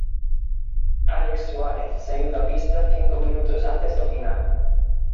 Álex Suárez saíu da pista cinco minutos antes do final.